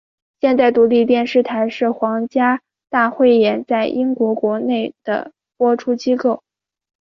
现在独立电视台是皇家大汇演在英国国内的播出机构。